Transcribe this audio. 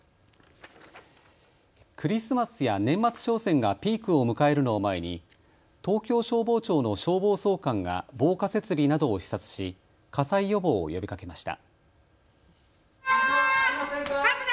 クリスマスや年末商戦がピークを迎えるのを前に東京消防庁の消防総監が防火設備などを視察し火災予防を呼びかけました。